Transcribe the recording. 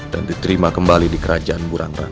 dan diterima kembali di kerajaan burangran